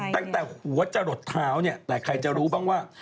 ตั้งแต่หัวจะหลดเท้าเนี่ยแต่ใครจะรู้บ้างว่า